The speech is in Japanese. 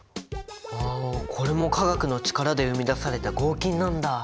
ああこれも化学の力で生み出された合金なんだ。